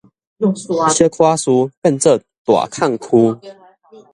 小可事變做大曠臼